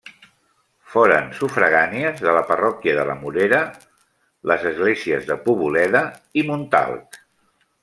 Foren sufragànies de la parròquia de la Morera les esglésies de Poboleda i Montalt.